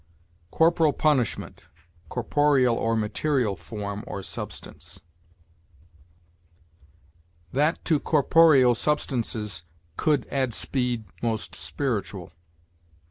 Corporal punishment; corporeal or material form or substance. "That to corporeal substances could add Speed most spiritual."